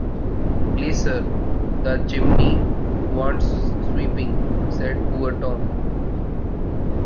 "Please sir, the chimney wants sweeping," said poor Tom.